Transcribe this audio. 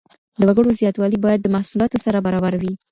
د وګړو زياتوالی بايد د محصولاتو سره برابر وي.